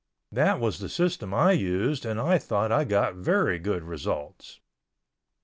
That was the system I used and I thought I got very good results.